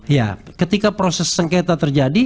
ya ketika proses sengketa terjadi